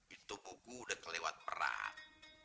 itu buku sudah kelewat perak